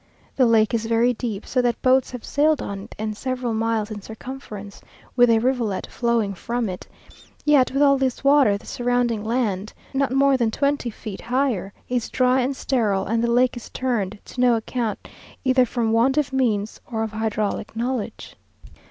The lake is very deep, so that boats have sailed on it, and several miles in circumference, with a rivulet flowing from it. Yet with all this water the surrounding land, not more than twenty feet higher, is dry and sterile, and the lake is turned to no account, either from want of means, or of hydraulic knowledge.